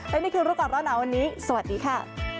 และนี่คือรู้ก่อนร้อนหนาวันนี้สวัสดีค่ะ